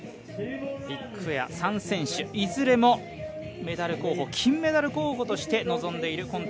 ビッグエア３選手、いずれもメダル候補、金メダル候補として挑んでいます